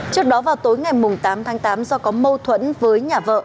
trước đó vào tối ngày tám tháng tám do có mâu thuẫn với nhà vợ